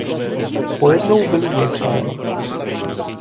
Pojednou byli z lesa ven.